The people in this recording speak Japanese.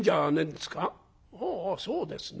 「ああそうですね。